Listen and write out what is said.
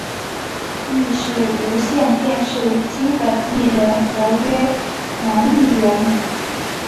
亦是无线电视基本艺人合约男艺员。